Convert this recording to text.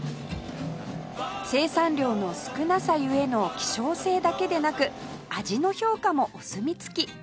生産量の少なさ故の希少性だけでなく味の評価もお墨付き